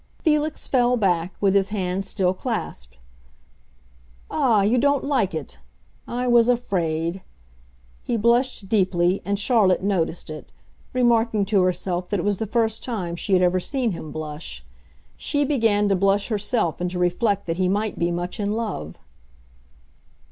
Felix fell back, with his hands still clasped. "Ah—you don't like it. I was afraid!" He blushed deeply, and Charlotte noticed it—remarking to herself that it was the first time she had ever seen him blush. She began to blush herself and to reflect that he might be much in love.